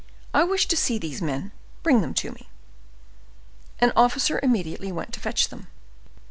"I wish to see these men; bring them to me." An officer immediately went to fetch them.